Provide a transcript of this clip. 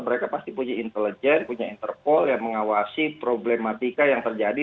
mereka pasti punya intelijen punya interpol yang mengawasi problematika yang terjadi